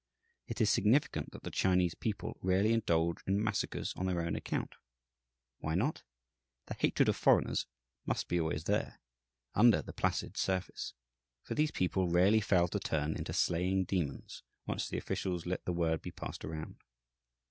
It is significant that the Chinese people rarely indulge in massacres on their own account. Why not? The hatred of foreigners must be always there, under the placid surface, for these people rarely fail to turn into slaying demons once the officials let the word be passed around.